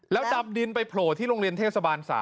แล้วดำดินไปโผล่ที่โรงเรียนเทศบาล๓